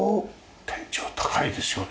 天井高いですよね。